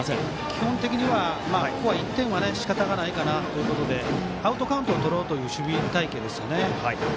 基本的には、ここは１点はしかたないかなということでアウトカウントをとろうという守備隊形ですね。